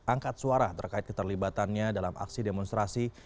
angkat suara terkait keterlibatannya dalam aksi demonstrasi